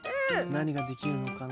なにができるのかな？